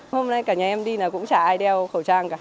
hôm nay cả nhà em đi là cũng chả ai đeo khẩu trang cả